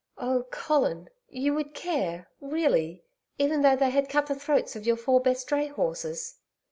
'Oh, Colin! You would care... really... even though they had cut the throats of your four best dray horses?'